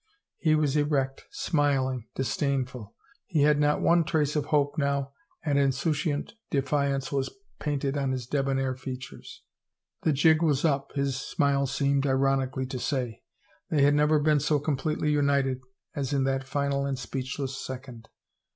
He was erect, smiling, disdainful. He had not one trace of hope now and an insouciant defiance was painted on his debonair features. The jig was up, his smile seemed ironically to say. They had never been so completely united as in that final and speechless second.